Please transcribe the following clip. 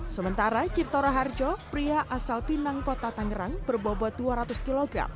sementara cipto raharjo pria asal pinang kota tangerang berbobot dua ratus kg